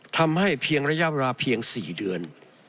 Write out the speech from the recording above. ทำให้เพียงระยะเวลาเพียง๔เดือน